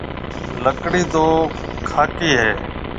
لڪڙِي تو کاڪِي هيَ۔